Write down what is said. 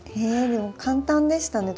でも簡単でしたね